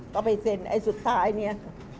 ก็ไปเซ็นไอ้สุดท้ายเนี่ย